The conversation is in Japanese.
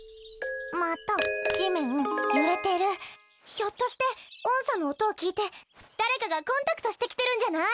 ひょっとして音叉の音を聴いて誰かがコンタクトしてきてるんじゃない？